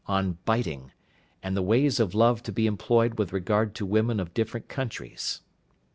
On Biting, and the ways of Love to be employed with regard to Women of different countries.